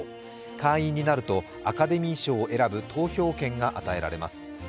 会員になるとアカデミー賞を選ぶ投票権が与えられます。